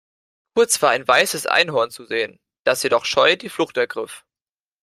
Kurz war ein weißes Einhorn zu sehen, das jedoch scheu die Flucht ergriff.